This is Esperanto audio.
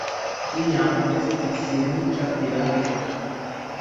Iam estis riĉa vilaĝo.